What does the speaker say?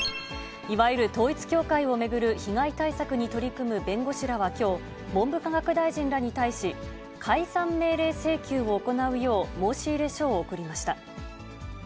いわゆる統一教会を巡る被害対策に取り組む弁護士らはきょう、文部科学大臣らに対し、解散命令請求を行うよう申し入れ書を送りました。